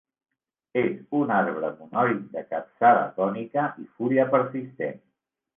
És un arbre monoic de capçada cònica i fulla persistent.